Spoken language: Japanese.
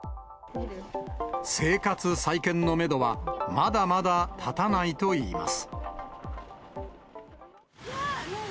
生活再建のメドはまだまだ立たないと言います。